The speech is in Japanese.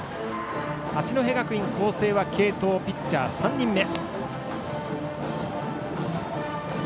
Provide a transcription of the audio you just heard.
八戸学院光星は継投でピッチャー３人目。